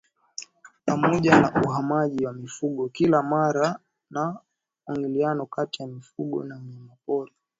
Pamoja na uhamaji wa mifugo kila mara na mwingiliano kati ya mifugo na wanyamapori